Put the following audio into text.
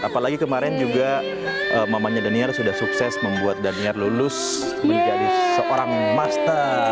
apalagi kemarin juga mamanya daniel sudah sukses membuat daniel lulus menjadi seorang master